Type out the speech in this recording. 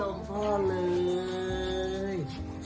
พ่อเลย